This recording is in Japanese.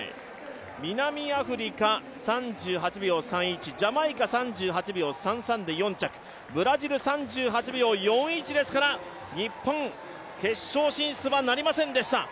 南アフリカ３８秒３１、ジャマイカ３８秒３３で４着、ブラジル３８秒４１ですから日本、決勝進出はなりませんでした